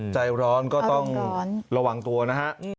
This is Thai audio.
ใจร้อนก็ต้องระวังตัวนะฮะ